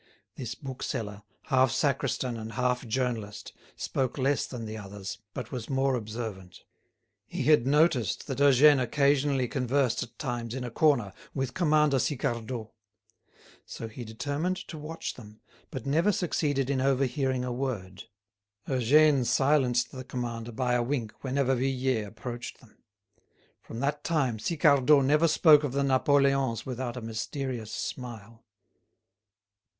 This bookseller, half sacristan and half journalist, spoke less than the others, but was more observant. He had noticed that Eugène occasionally conversed at times in a corner with Commander Sicardot. So he determined to watch them, but never succeeded in overhearing a word. Eugène silenced the commander by a wink whenever Vuillet approached them. From that time, Sicardot never spoke of the Napoleons without a mysterious smile.